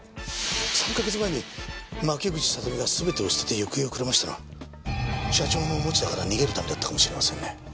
３カ月前に牧口里美が全てを捨てて行方をくらましたのは社長の持田から逃げるためだったかもしれませんね。